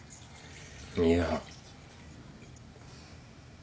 いや。